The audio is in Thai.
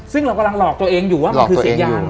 ซึ่งเรากำลังหลอกตัวเองอยู่ว่ามันคือเสียงยาง